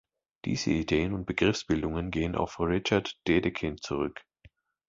Diese Ideen und Begriffsbildungen gehen auf Richard Dedekind zurück.